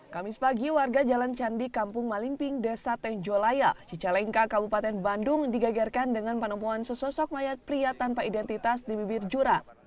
kamis pagi warga jalan candi kampung malimping desa tenjolaya cicalengka kabupaten bandung digagarkan dengan penemuan sesosok mayat pria tanpa identitas di bibir jurang